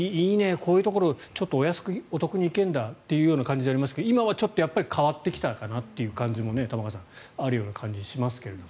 こういうところお安く、お得に行けるんだという感じでやりましたが今はちょっと変わってきたかなという感じも玉川さんある感じがしますけど。